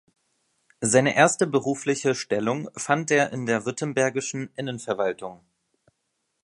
Seine erste berufliche Stellung fand er in der württembergischen Innenverwaltung.